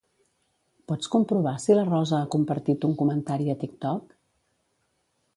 Pots comprovar si la Rosa ha compartit un comentari a TikTok?